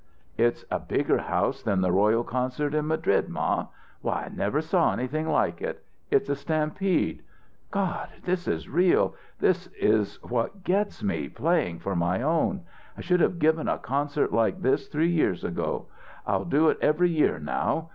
"It's a bigger house than the royal concert in Madrid, ma. Why, I never saw anything like it! It's a stampede. God, this is real this is what gets me, playing for my own! I should have given a concert like this three years ago. I'll do it every year now.